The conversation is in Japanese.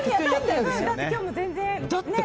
だって今日も全然ね。